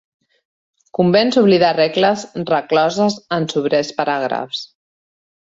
Convens oblidar regles recloses en sobrers paràgrafs.